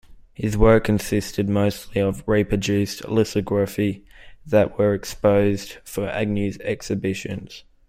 His work consisted mostly of reproduced lithography that were exposed for Agnew's exhibitions.